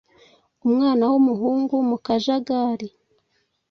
umwana w'umuhungu mu kajagari